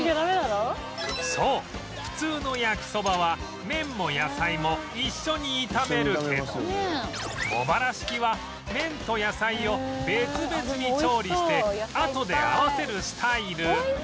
そう普通の焼きそばは麺も野菜も一緒に炒めるけど茂原式は麺と野菜を別々に調理してあとで合わせるスタイル